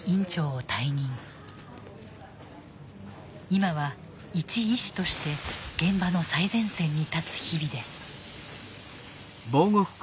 今はいち医師として現場の最前線に立つ日々です。